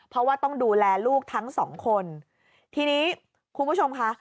เพราะว่าต้องดูแลลูกทั้งสองคนทีนี้คุณผู้ชมค่ะ